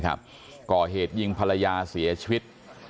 ก่อเหตุยิงภรรยาเสียชีวิต